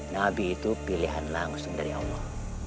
nabi itu pilihan langsung dari allah